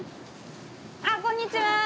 あっこんにちは！